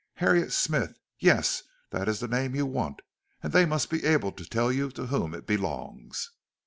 Harriet Smith! Yes, that is the name you want, and they must be able to tell you to whom it belongs."